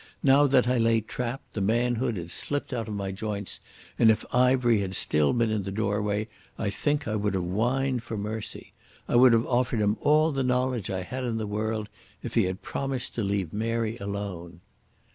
Now that I lay trapped, the manhood had slipped out of my joints, and if Ivery had still been in the doorway, I think I would have whined for mercy. I would have offered him all the knowledge I had in the world if he had promised to leave Mary alone.